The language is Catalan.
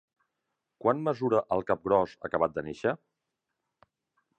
Quan mesura el capgròs acabat de néixer?